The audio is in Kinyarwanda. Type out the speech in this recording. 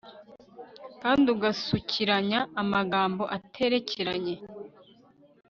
kandi ugasukiranya amagambo aterekeranye